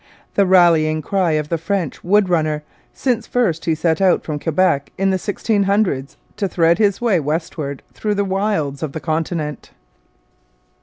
the rallying cry of the French wood runner since first he set out from Quebec in the sixteen hundreds to thread his way westward through the wilds of the continent.